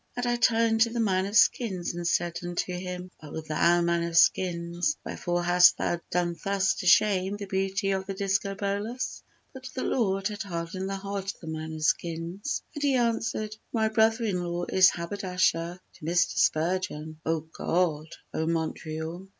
And I turned to the man of skins and said unto him, "O thou man of skins, Wherefore hast thou done thus to shame the beauty of the Discobolus?" But the Lord had hardened the heart of the man of skins And he answered, "My brother in law is haberdasher to Mr. Spurgeon." O God! O Montreal!